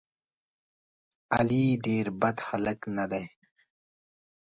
علي ډېر بد نه دی.